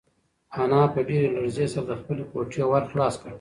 انا په ډېرې لړزې سره د خپلې کوټې ور خلاص کړ.